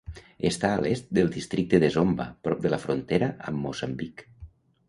Està a l'est del Districte de Zomba, prop de la frontera amb Moçambic.